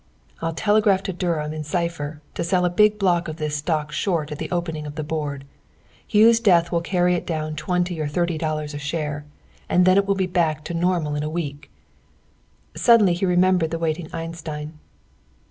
"I'll telegraph to Durham (in cipher) to sell a big block of this stock short at the opening of the Board. Hugh's death will carry it down twenty or thirty dollars a share, and then it will be back to the normal in a week." Suddenly he remembered the waiting Einstein.